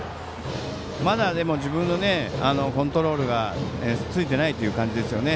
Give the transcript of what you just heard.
まだ自分のコントロールがついていない感じですね。